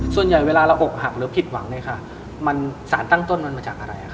ส่วนใหญ่เวลาเราอกหักหรือผิดหวังสารตั้งต้นมันมาจากอะไร